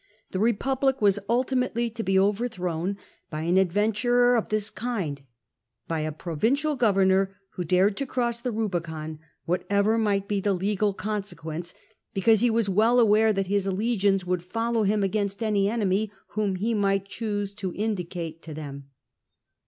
The Eepublic was ultimately to be overthrown by an adventurer of this kind — by a provincial governor who dared to cross the Eubicon, whatever might be the legal consequence, because he was well aware that his legions would follow him against any enemy whom he might choose to indicate to SULLA AND THE MAGISTRATES 153 them.